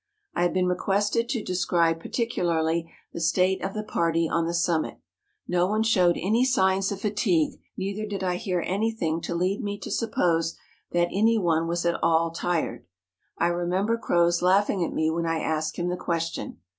I have been requested to describe particularly the state of the party on the summit. No one showed any signs of fatigue, neither did I hear any¬ thing to lead me to suppose that any one was at all tired. I remember Croz laughing at me when I asked him the question.